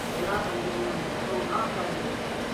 تیرا سنگیاں نے توہ نہ چاڑھیو